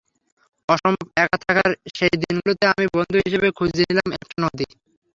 অসম্ভব একা থাকার সেই দিনগুলোতে আমি বন্ধু হিসেবে খুঁজে নিলাম একটা নদী।